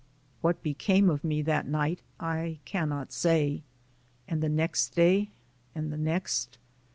What became of me that night I cannot say. And the next day and the next.